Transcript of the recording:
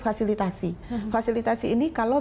fasilitasi fasilitasi ini kalau